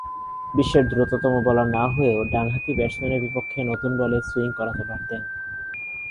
বিশ্বের দ্রুততম বোলার না হয়েও ডানহাতি ব্যাটসম্যানের বিপক্ষে নতুন বলে সুইং করাতে পারতেন।